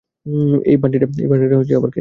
এই বান্টিটা আবার কে?